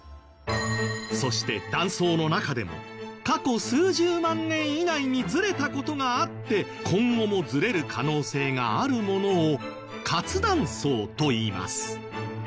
そして断層の中でも過去数十万年以内にずれた事があって今後もずれる可能性があるものを活断層といいます。